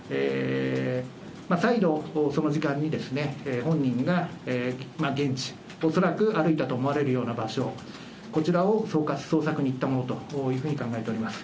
再度その時間に本人が現地、恐らく歩いたと思われるような場所、こちらを捜索に行ったものというふうに考えております。